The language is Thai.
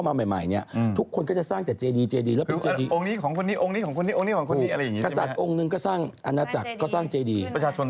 มันเป็นเวินเก่าเหมือนอยุธยาบ้านเรานะเนี่ย